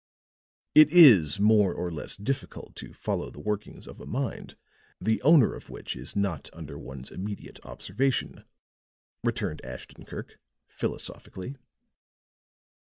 "It is more or less difficult to follow the workings of a mind, the owner of which is not under one's immediate observation," returned Ashton Kirk, philosophically.